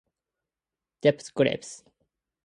Death Grips